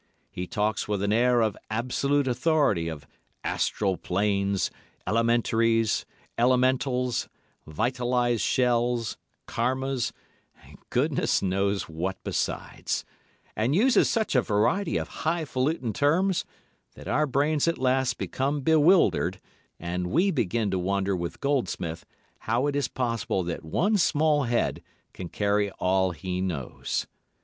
He talks with an air of absolute authority of Astral Planes, Elementaries, Elementals, vitalised shells, Karmas, and goodness knows what besides, and uses such a variety of high falutin' terms, that our brains at last become bewildered, and we begin to wonder with Goldsmith how it is possible that one small head can carry all he knows.